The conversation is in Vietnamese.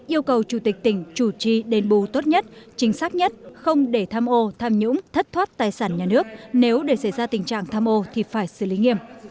yêu cầu chủ tịch tỉnh chủ trì đền bù tốt nhất chính xác nhất không để tham ô tham nhũng thất thoát tài sản nhà nước nếu để xảy ra tình trạng tham ô thì phải xử lý nghiêm